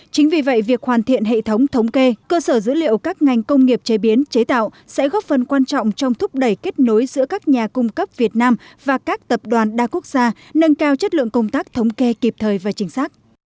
chính vì vậy việc hoàn thiện hệ thống thống kê cơ sở dữ liệu các ngành công nghiệp chế biến chế tạo sẽ góp phần quan trọng trong thúc đẩy kết nối giữa các nhà cung cấp việt nam và các tập đoàn đa quốc gia nâng cao chất lượng công tác thống kê kịp thời và chính xác